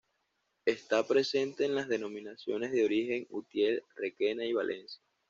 Está presente en las denominaciones de origen Utiel-Requena y Valencia.